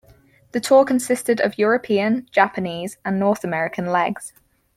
The tour consisted of European, Japanese and North American legs.